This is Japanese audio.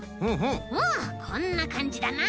こんなかんじだな。